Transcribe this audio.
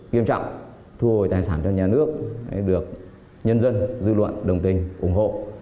kiêm trọng thu hồi tài sản cho nhà nước được nhân dân dư luận đồng tình ủng hộ